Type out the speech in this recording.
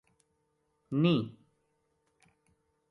نیہہ